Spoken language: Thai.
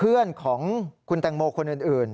เพื่อนของคุณแตงโมคนอื่น